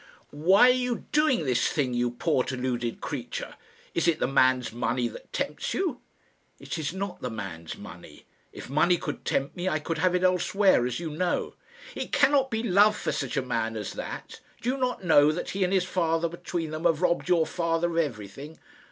"Why are you doing this thing, you poor deluded creature? Is it the man's money that tempts you?" "It is not the man's money. If money could tempt me, I could have it elsewhere, as you know." "It cannot be love for such a man as that. Do you not know that he and his father between them have robbed your father of everything?"